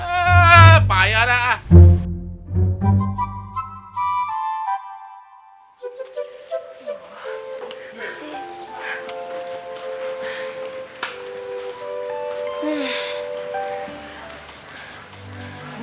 hei pahaya dah